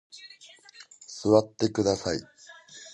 座ってください。